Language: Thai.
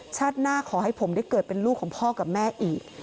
หน้าขอให้ผมได้เกิดเป็นลูกของพ่อกับแม่อีก